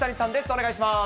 お願いします。